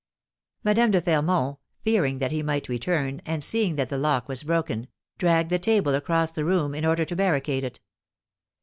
Madame de Fermont, fearing that he might return, and seeing that the lock was broken, dragged the table across the room, in order to barricade it.